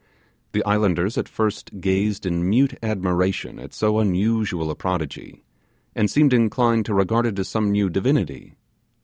The islanders at first gazed in mute admiration at so unusual a prodigy, and seemed inclined to regard it as some new divinity.